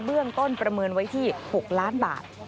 เบื้องต้นประเมินไว้ที่๖ล้านบาท